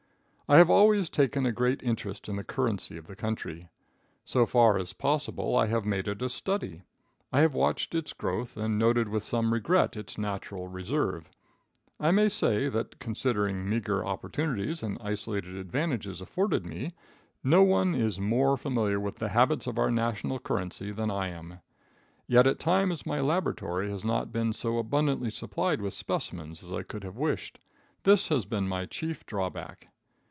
I have always taken a great interest in the currency of the country. So far as possible I have made it a study. I have watched its growth, and noted with some regret its natural reserve. I may say that, considering meagre opportunities and isolated advantages afforded me, no one is more familiar with the habits of our national currency than I am. Yet, at times my laboratory has not been so abundantly supplied with specimens as I could have wished. This has been my chief drawback.